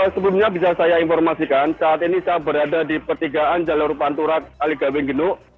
sebelumnya bisa saya informasikan saat ini saya berada di pertigaan jalur pantura kaligawing genduk